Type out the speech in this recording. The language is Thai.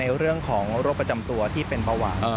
กังวลในเรื่องของโรคประจำตัวที่เป็นบะหวาน